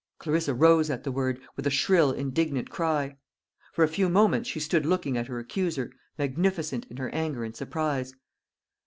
Clarissa rose at the word, with a shrill indignant cry. For a few moments she stood looking at her accuser, magnificent in her anger and surprise.